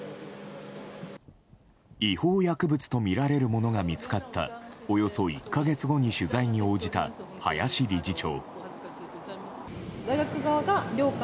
違法薬物とみられるものが見つかったおよそ１か月後に取材に応じた林理事長。